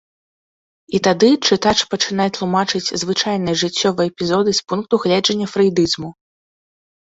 І тады чытач пачынае тлумачыць звычайныя жыццёвыя эпізоды з пункту гледжання фрэйдызму.